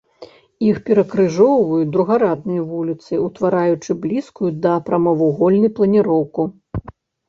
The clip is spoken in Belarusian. Іх перакрыжоўваюць другарадныя вуліцы, утвараючы блізкую да прамавугольнай планіроўку.